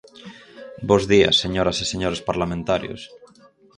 Bos días, señoras e señores parlamentarios.